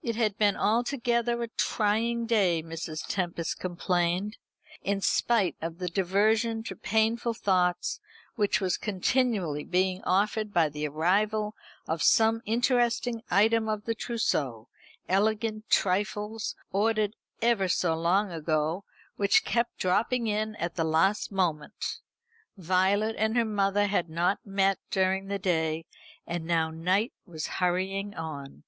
It had been altogether a trying day, Mrs. Tempest complained: in spite of the diversion to painful thought which was continually being offered by the arrival of some interesting item of the trousseau, elegant trifles, ordered ever so long ago, which kept dropping in at the last moment. Violet and her mother had not met during the day, and now night was hurrying on.